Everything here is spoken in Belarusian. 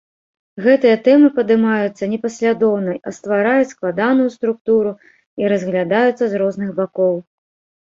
Гэтыя тэмы падымаюцца не паслядоўна, а ствараюць складаную структуру і разглядаюцца з розных бакоў.